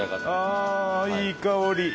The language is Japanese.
あいい香り！